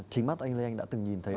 chính mắt anh lê anh đã từng nhìn thấy